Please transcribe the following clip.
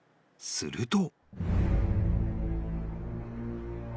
［すると］